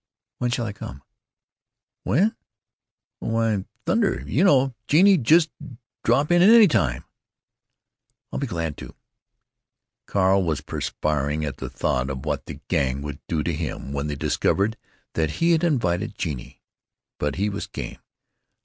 "When shall I come?" "When? Oh, why, thunder!—you know, Genie—just drop in any time." "I'll be glad to." Carl was perspiring at the thought of what the Gang would do to him when they discovered that he had invited Genie. But he was game.